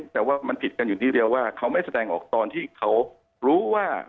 แต่ว่ามันผิดกันอยู่ที่เดียวว่าเขาไม่แสดงออกตอนที่เขารู้ว่า